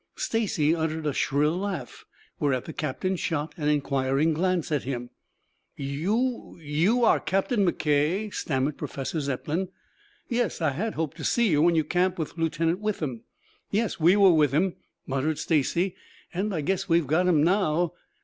Stacy uttered a shrill laugh, whereat the captain shot an inquiring glance at him. "You you are are Captain McKay?" stammered Professor Zepplin. "Yes. I had hoped to see you when you camped with Lieutenant Withem " "Yes, we were with 'em," muttered Stacy. "And I guess we've got 'em now."